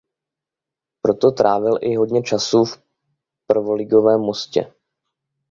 Proto trávil i hodně času v prvoligovém Mostě.